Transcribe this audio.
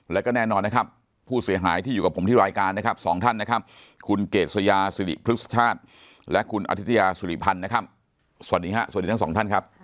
แล้วก็แน่นอนนะครับผู้เสียหายที่อยู่กับผมที่รายการนะครับสองท่านนะครับคุณเกษยาสิริพฤกษชาติและคุณอธิตยาสุริพันธ์นะครับสวัสดีครับสวัสดีทั้งสองท่านครับ